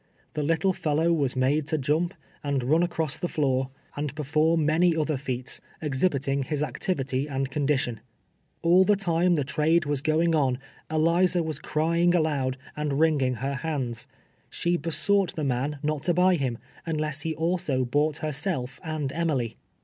The little fellow was made to jump, and run across the floor, r.\JtTmG OF KAXDALL AND ELIZA. 81 and perform many other feats, exliiliiting liis activity and condition. All the time the trade was going on, Eliza "was cr^'ing alond, and wringing her liands. She hesonglit the man not to Iniy him, unless he also bought herself and Emily.